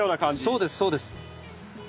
そうですそうです。